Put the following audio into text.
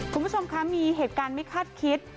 คุณผู้ชมคะมีเหตุการณ์ไม่คาดคิด